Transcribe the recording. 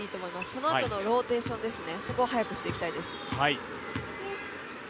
そのあとのローテーションを早くしていきたいです。